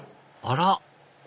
あら！